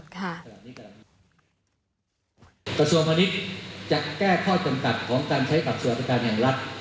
กระทรวงพาณิชย์จะแก้ข้อจำกัดของการใช้กับสวัสดิการแห่งรัฐ